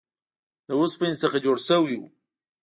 له اوسپنې څخه جوړ شوی و.